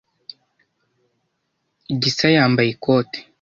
Gisa yambaye ikote.